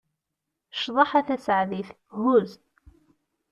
Cḍeḥ a Taseɛdit, huz!